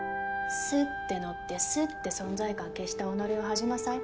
すって乗ってすって存在感消した己を恥じなさい。